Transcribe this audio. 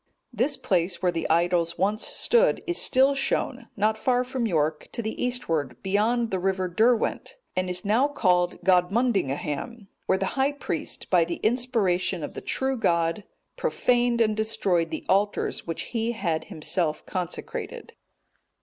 This place where the idols once stood is still shown, not far from York, to the eastward, beyond the river Derwent, and is now called Godmunddingaham,(231) where the high priest, by the inspiration of the true God, profaned and destroyed the altars which he had himself consecrated.